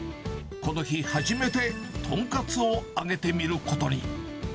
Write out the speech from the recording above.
この日、初めてとんかつを揚げてみることに。